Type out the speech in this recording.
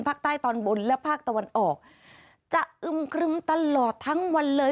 ตอนบนและภาคตะวันออกจะอึมครึมตลอดทั้งวันเลย